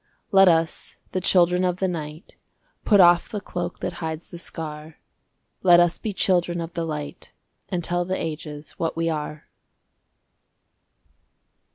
Let us, the Children of the Night, Put off the cloak that hides the scar! Let us be Children of the Light, And tell the ages what we are!